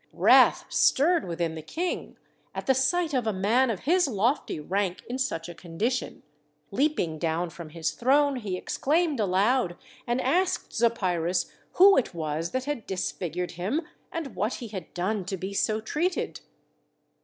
Wrath stirred within the King at the sight of a man of his lofty rank in such a condition; leaping down from his throne he exclaimed aloud and asked Zopyrus who it was that had disfigured him, and what he had done to be so treated.